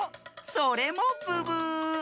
それもブブー！